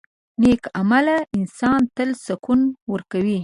• نیک عمل انسان ته سکون ورکوي.